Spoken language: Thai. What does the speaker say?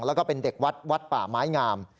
แล้วก็เป็นเด็กวัดวัดป่าไม้งาม